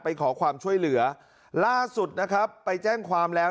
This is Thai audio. ขอความช่วยเหลือล่าสุดนะครับไปแจ้งความแล้ว